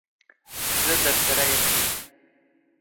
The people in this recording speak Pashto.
زه درسره یم.